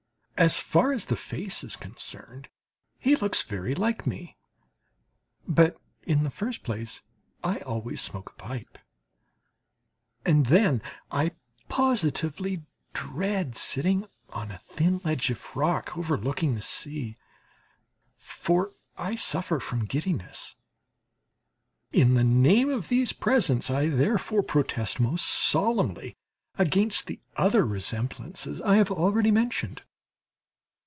As far as the face is concerned he looks very like me; but in the first place I always smoke a pipe, and then I positively dread sitting on a thin ledge of rock overlooking the sea, for I suffer from giddiness. In the name of these presents I therefore protest most solemnly against the other resemblances I have already mentioned.